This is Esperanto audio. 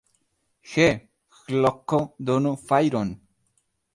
He, Ĥlopko, donu fajron!